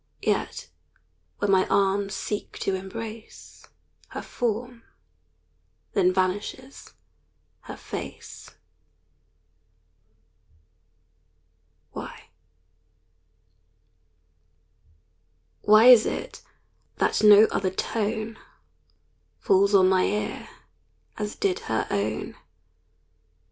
Yet, when my arms seek to embrace Her form, then vanishes her face. Why? Why is it that no other tone Falls on my ear as did her own?